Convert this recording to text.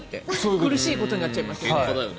苦しいことになっちゃいますよね。